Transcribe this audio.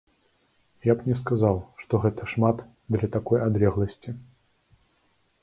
Я б не сказаў, што гэта шмат для такой адлегласці.